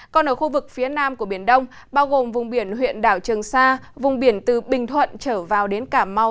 còn ở khu vực phía nam của biển đông bao gồm vùng biển huyện đảo trường sa vùng biển từ bình thuận trở vào đến cà mau